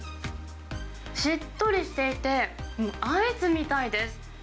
しっとりしていて、アイスみたいです。